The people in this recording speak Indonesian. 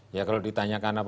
ya kalau ditanyakan apa